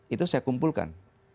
itu saya kumpulkan